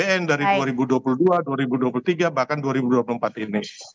bpn dari dua ribu dua puluh dua dua ribu dua puluh tiga bahkan dua ribu dua puluh empat ini